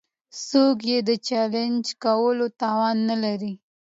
څوک يې د چلېنج کولو توان نه لري.